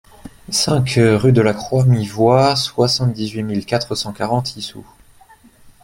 cinq rue de la Croix Mi Voie, soixante-dix-huit mille quatre cent quarante Issou